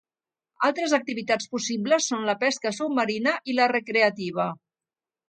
Altres activitats possibles són la pesca submarina i la recreativa.